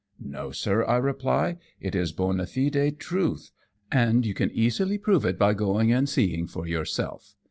" No, sir," I reply, " it is hona fide truth ; and you can easily prove it by going and seeing for yourself.